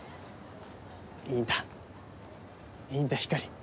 いいんだいいんだひかり。